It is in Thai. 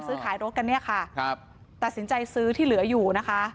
ซื้อขายรถกันเนี่ยค่ะครับตัดสินใจซื้อที่เหลืออยู่นะคะ